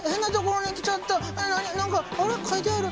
何か書いてある。